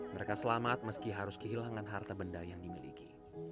mereka selamat meski harus kehilangan harta benda yang dimiliki